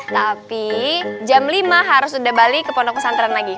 tapi jam lima harus sudah balik ke pondok pesantren lagi